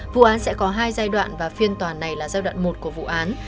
vụ án sẽ có hai giai đoạn và phiên tòa này là giai đoạn một của vụ án